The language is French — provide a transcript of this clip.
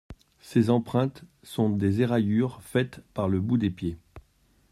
Ces empreintes sont des éraillures faites par le bout des pieds.